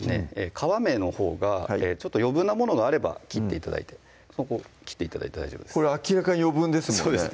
皮目のほうが余分なものがあれば切って頂いて大丈夫ですこれ明らかに余分ですもんね